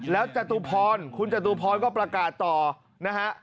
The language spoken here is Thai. แล้วจตุพรคุณจตุพรก็ประกาศต่อนะฮะ